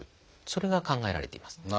それが考えられています。